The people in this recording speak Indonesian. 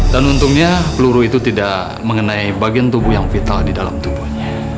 dan untungnya peluru itu tidak mengenai bagian tubuh yang vital di dalam tubuhnya